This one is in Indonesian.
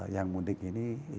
yang mudik ini